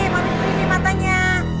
mami keringin matanya